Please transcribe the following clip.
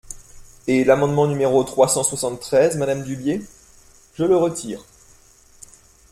Et l’amendement numéro trois cent soixante-treize, madame Dubié ? Je le retire.